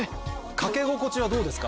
掛け心地はどうですか？